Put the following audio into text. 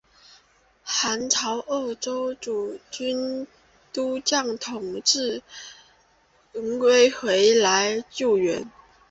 宋朝鄂州诸军都统制孟珙回来援救。